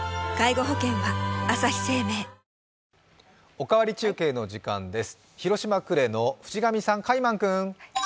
「おかわり中継」の時間です。